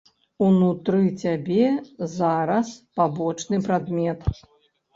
Унутры цябе зараз пабочны прадмет.